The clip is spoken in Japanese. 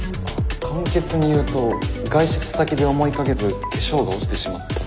簡潔に言うと外出先で思いがけず化粧が落ちてしまった時？